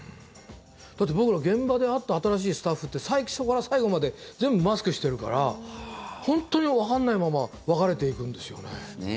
だって、僕ら現場で会った新しいスタッフって最初から最後まで全部マスクしているから本当にわからないまま別れていくんですよね。